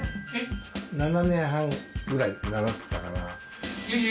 ７年半くらい習ってたから。